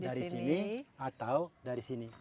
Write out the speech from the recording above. dari sini atau dari sini